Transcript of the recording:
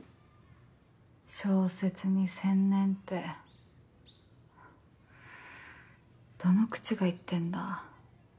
小説に専念ってどの口が言ってんだ。